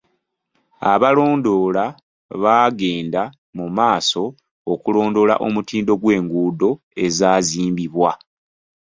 Abalondoola baagenda mu maaso okulondoola omutindo gw'enguudo ezaazimbibwa.